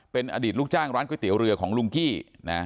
เป็นอดีตลูกจ้างร้านก๋วยเตี๋ยวเรือของลุงกี้นะ